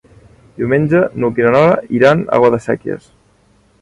Diumenge n'Hug i na Nora iran a Guadasséquies.